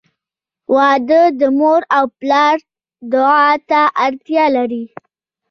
• واده د مور او پلار دعا ته اړتیا لري.